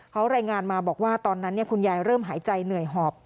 เขารายงานมาบอกว่าตอนนั้นคุณยายเริ่มหายใจเหนื่อยหอบ